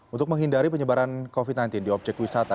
untuk menghindari penyebaran covid sembilan belas di objek wisata